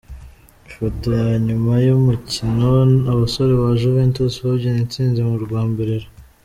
Ifoto ya nyuma y'umukino abasore ba Juventus babyina intsinzi mu rwambariro.